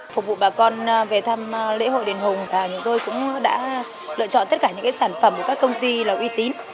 phục vụ bà con về thăm lễ hội đền hùng và chúng tôi cũng đã lựa chọn tất cả những sản phẩm của các công ty là uy tín